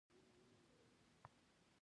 آیا د ماما او کاکا حقونه نه پیژندل کیږي؟